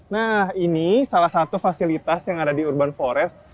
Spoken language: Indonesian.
nah ini salah satu fasilitas yang ada di urban forest